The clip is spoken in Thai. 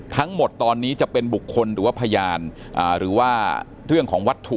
ทั้งหมดตอนนี้จะเป็นบุคคลหรือว่าพยานหรือว่าเรื่องของวัตถุ